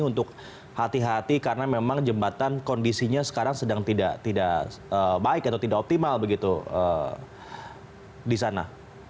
untuk hati hati karena memang jembatan kondisinya sekarang sedang tidak baik atau tidak optimal begitu di sana